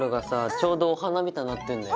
ちょうどお花みたいになってんだよ。